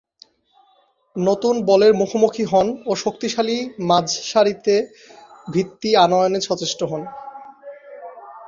নতুন বলের মুখোমুখি হন ও শক্তিশালী মাঝারিসারিতে ভিত্তি আনয়ণে সচেষ্ট হন।